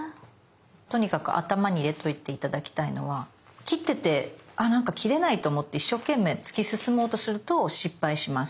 とにかく頭に入れといて頂きたいのは切っててあなんか切れないと思って一生懸命突き進もうとすると失敗します。